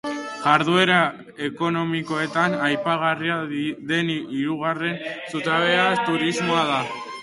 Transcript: Jarduera ekonomikoetan aipagarria den hirugarren zutabea turismoa da.